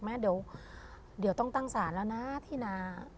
เดี๋ยวต้องตั้งศาลแล้วนะที่นา